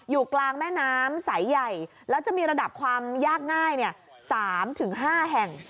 อยู่กลางแม่น้ำสายใหญ่แล้วจะมีระดับความยากง่าย๓๕แห่ง